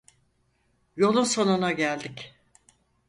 Yolun sonuna geldik.